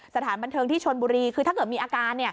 สถานบันเทิงที่ชนบุรีคือถ้าเกิดมีอาการ